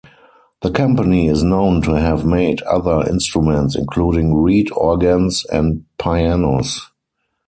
The company is known to have made other instruments, including reed organs and pianos.